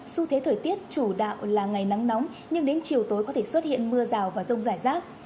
xu thế thời tiết chủ đạo là ngày nắng nóng nhưng đến chiều tối có thể xuất hiện mưa rào và rông rải rác